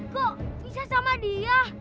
kok bisa sama dia